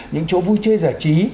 những chỗ vui chơi giải trí